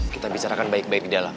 kita bicarakan baik baik di dalam